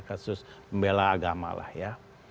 kasus pembela agama lah ya